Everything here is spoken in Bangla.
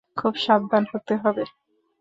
খুব সাবধান হতে হবে।